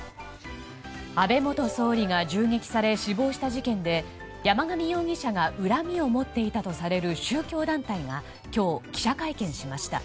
安倍元総理が銃撃され死亡した事件で山上容疑者が恨みを持っていたとされる宗教団体が今日、記者会見しました。